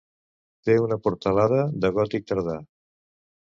té una portalada de gòtic tardà